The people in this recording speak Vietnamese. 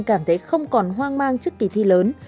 cảm thấy không còn hoang mang trước kỳ thi lớn